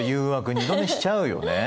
二度寝しちゃうよね。